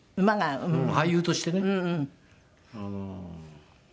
俳優としてね。